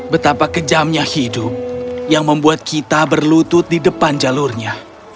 betapa kejamnya hidup yang membuat kita berlutut di depan jalurnya